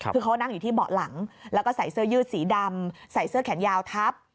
คือเขานั่งอยู่ที่เบาะหลังแล้วก็ใส่เสื้อยืดสีดำใส่เสื้อแขนยาวทับ